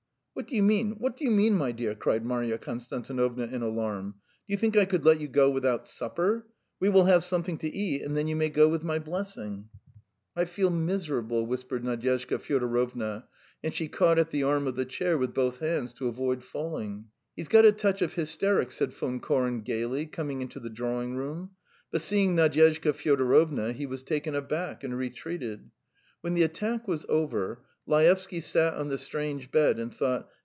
"What do you mean, what do you mean, my dear?" cried Marya Konstantinovna in alarm. "Do you think I could let you go without supper? We will have something to eat, and then you may go with my blessing." "I feel miserable ..." whispered Nadyezhda Fyodorovna, and she caught at the arm of the chair with both hands to avoid falling. "He's got a touch of hysterics," said Von Koren gaily, coming into the drawing room, but seeing Nadyezhda Fyodorovna, he was taken aback and retreated. When the attack was over, Laevsky sat on the strange bed and thought.